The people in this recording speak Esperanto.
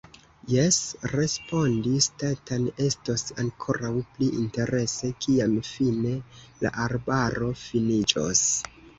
Jes, respondis Stetten, estos ankoraŭ pli interese, kiam fine la arbaro finiĝos.